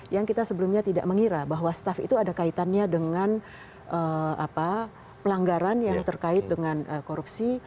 yang kita sebelumnya tidak mengira bahwa staff itu ada kaitannya dengan pelanggaran yang terkait dengan korupsi